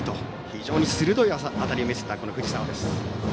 非常に鋭い当たりを見せたこの藤澤です。